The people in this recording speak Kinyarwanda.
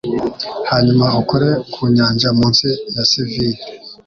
hanyuma ukore ku nyanja munsi ya Seville